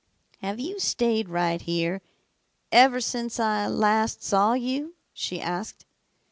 "'Have you stayed right here ever since I last saw you?' she asked.